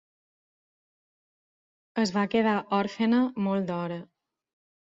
Es va quedar òrfena molt d'hora.